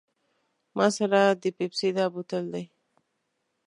ما سره د پیپسي دا بوتل دی.